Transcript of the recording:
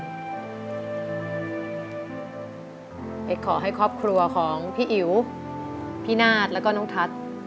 ขอให้ครอบครัวของพี่อิ๋วพี่นาฏแล้วก็น้องทัศน์